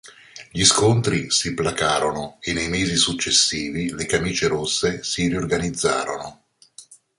Gli scontri si placarono e nei mesi successivi le camicie rosse si riorganizzarono.